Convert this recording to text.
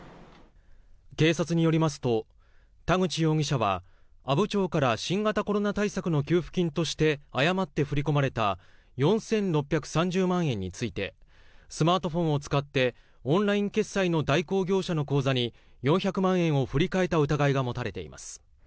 警察によりますと田口容疑者は阿武町から新型コロナ対策の給付金として誤って振り込まれた４６３０万円についてスマートフォンを使ってオンライン決済の代行業者の口座に４００万円を振り替えた疑いが持たれています。